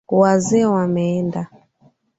Wazee wameenda